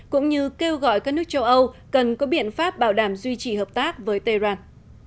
cũng như kêu gọi các nước châu âu cần có biện pháp bảo đảm duy trì hợp tác với tehran